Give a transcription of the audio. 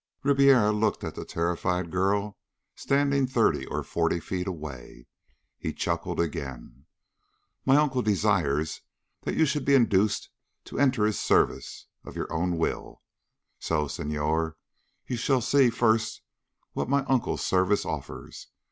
Ribiera looked at the terrified girl standing thirty or forty feet away. He chuckled again. "My uncle desires that you should be induced to enter his service of your own will. So, Senhor, you shall see first what my uncle's service offers.